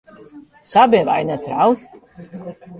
Sa binne wy net troud.